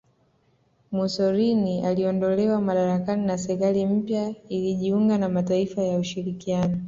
Mussolini aliondolewa madarakani na serikali mpya ilijiunga na mataifa ya ushirikiano